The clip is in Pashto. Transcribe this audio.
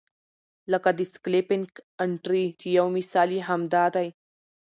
لکه د سکیلپنګ انټري چې یو مثال یې هم دا دی.